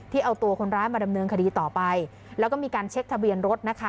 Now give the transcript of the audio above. เอาตัวคนร้ายมาดำเนินคดีต่อไปแล้วก็มีการเช็คทะเบียนรถนะคะ